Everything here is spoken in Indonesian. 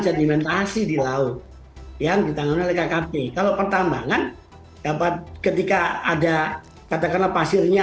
sedimentasi di laut yang ditangani oleh kkp kalau pertambangan dapat ketika ada katakanlah pasirnya